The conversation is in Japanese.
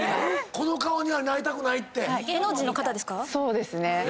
この顔にはなりたくないって⁉そうですね。